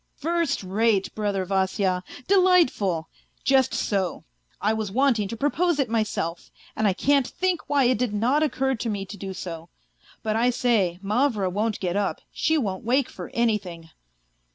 " First rate, brother Vasya, delightful ! Just so. I was want ing to propose it myself. And I can't think why it did not occur to me to do so. But I say, Mavra won't get up, she won't wake for anything.